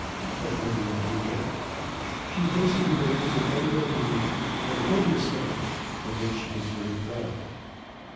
But Rosy red knew different. She hastened away to her own little room and hid her slippers of which she was very proud.